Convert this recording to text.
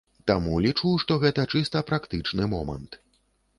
Таму, лічу, што гэта чыста практычны момант.